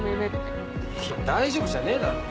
大丈夫じゃねえだろ。